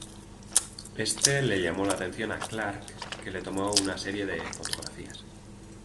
Éste le llamo la atención a Clark, que le tomó una serie de fotografías.